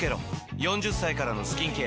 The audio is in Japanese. ４０歳からのスキンケア